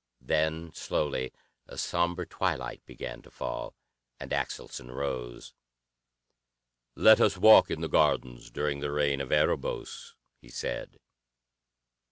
Then slowly a somber twilight began to fall, and Axelson rose. "Let us walk in the gardens during the reign of Erebos," he said.